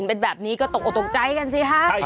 เห็นแบบนี้ก็ตกโอตกใกล้น่ะสิค่ะ